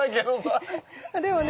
でもね